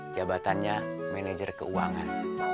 jabatannya manajer keuangan